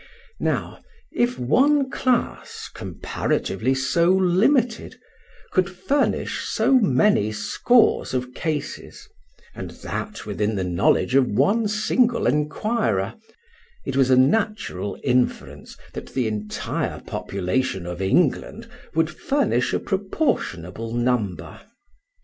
Now, if one class, comparatively so limited, could furnish so many scores of cases (and that within the knowledge of one single inquirer), it was a natural inference that the entire population of England would furnish a proportionable number.